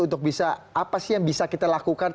untuk bisa apa sih yang bisa kita lakukan